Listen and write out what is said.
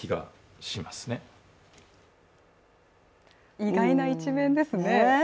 意外な一面ですね。